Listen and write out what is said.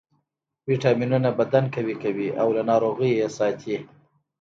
ویټامینونه بدن قوي کوي او له ناروغیو یې ساتي